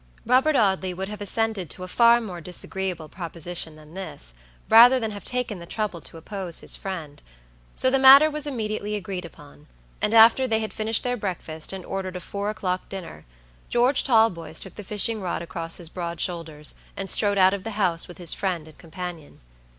Robert Audley would have assented to a far more disagreeable proposition than this, rather than have taken the trouble to oppose his friend, so the matter was immediately agreed upon; and after they had finished their breakfast, and ordered a four o'clock dinner, George Talboys took the fishing rod across his broad shoulders, and strode out of the house with his friend and companion.